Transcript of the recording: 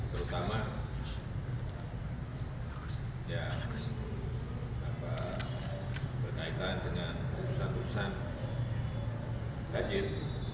terutama ya berkaitan dengan urusan urusan hajit